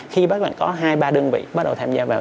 khi các bạn có hai ba đơn vị bắt đầu tham gia vào